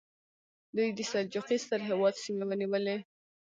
دوی د سلجوقي ستر هېواد سیمې ونیولې.